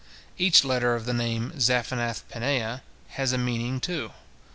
Each letter of the name Zaphenath paneah has a meaning, too.